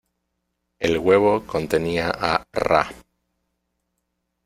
El huevo contenía a Ra.